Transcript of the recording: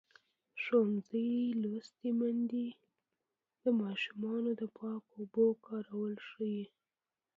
ښوونځې لوستې میندې د ماشومانو د پاکو اوبو کارول ښيي.